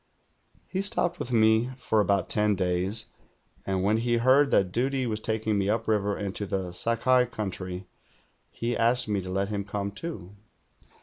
He stopj)ed with me for about ten days, and when he heard that duty was taking me upriver into the Sakai country, he asked me to let him come, too.